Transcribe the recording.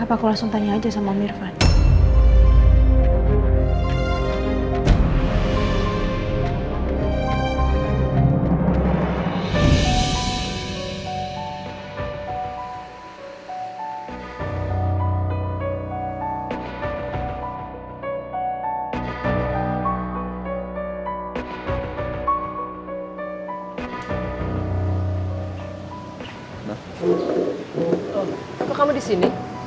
apa aku langsung tanya aja sama om irvan